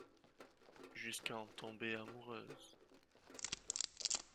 Jusqu'à en tomber amoureuse...